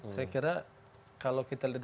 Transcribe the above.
saya kira kalau kita dari sepuluh parah